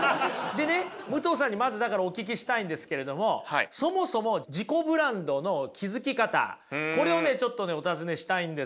でね武藤さんにまずお聞きしたいんですけれどもそもそも自己ブランドの築き方これをちょっとお尋ねしたいんですよ。